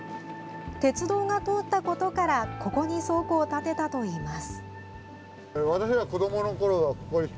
鉄道が通ったことからここに倉庫を建てたといいます。